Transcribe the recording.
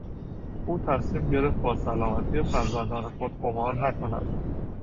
او تصمیم گرفت با سلامتی فرزندان خود قمار نکند.